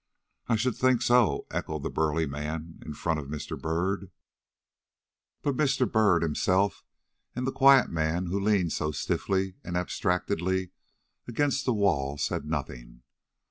"I should think so," echoed the burly man in front of Mr. Byrd. But Mr. Byrd himself and the quiet man who leaned so stiffly and abstractedly against the wall, said nothing.